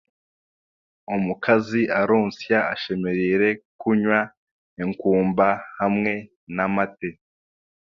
Omukazi aronsya ashemereire kunywa enkumba hamwe n'amate.